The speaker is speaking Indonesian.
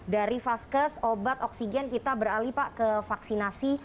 dari vaskes obat oksigen kita beralih pak ke vaksinasi